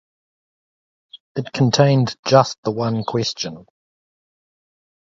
It contained just the one question.